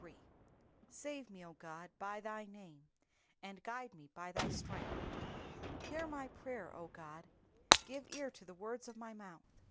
SAVE me, O God, by thy name, and judge me by thy strength. 2 Hear my prayer, O God ; give ear to the words of my mouth.